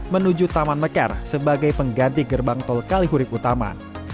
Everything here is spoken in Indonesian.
menuju taman mekar sebagai pengganti gerbang tol kalihurik utama